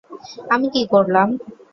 আমি কী করলাম?